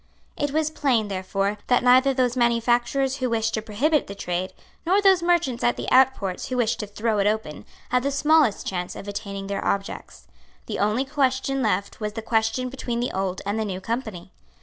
It was plain, therefore, that neither those manufacturers who wished to prohibit the trade, nor those merchants at the outports who wished to throw it open, had the smallest chance of attaining their objects. The only question left was the question between the Old and the New Company.